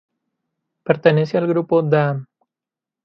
Pertenece al grupo Damm.